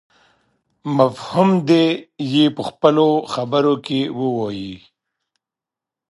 مفهوم دې يې په خپلو خبرو کې ووايي.